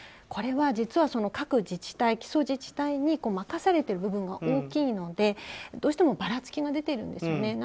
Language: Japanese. これは実は各自治体基礎自治体に任されてる部分が大きいのでどうしてもばらつきが出ているんですよね。